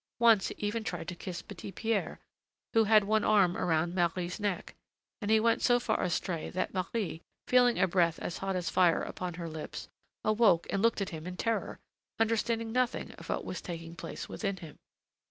Once he even tried to kiss Petit Pierre, who had one arm around Marie's neck, and he went so far astray that Marie, feeling a breath as hot as fire upon her lips, awoke and looked at him in terror, understanding nothing of what was taking place within him.